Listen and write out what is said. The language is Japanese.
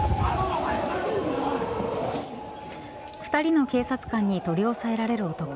２人の警察官に取り押さえられる男。